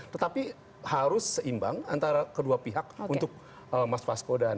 tetapi harus seimbang antara kedua pihak untuk memiliki kemampuan yang baik